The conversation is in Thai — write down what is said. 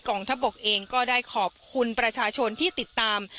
งทัพบกเองก็ได้ขอบคุณประชาชนที่ติดตาม